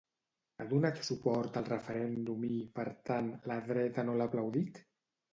Ha donat suport al referèndum i, per tant, la dreta no l'ha aplaudit.